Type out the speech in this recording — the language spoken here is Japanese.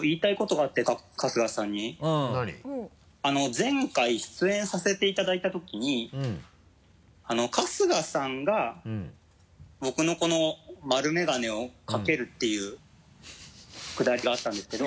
前回出演させていただいたときに春日さんが僕のこの丸メガネをかけるっていうくだりがあったんですけど。